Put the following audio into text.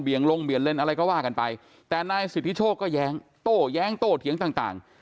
ลงเบียนเลนอะไรก็ว่ากันไปแต่นายสิทธิโชคก็แย้งโต้แย้งโต้เถียงต่างต่าง